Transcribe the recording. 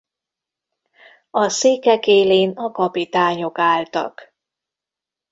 A székek élén a kapitányok álltak.